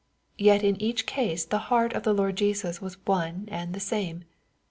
— Yet in each case the heart of the Lord Jesus was one and the same.